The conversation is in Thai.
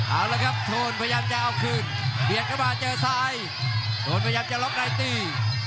เอาละครับโทนพยายามจะเอาคืนเบียดเข้ามาเจอซ้ายโทนพยายามจะล็อกในตี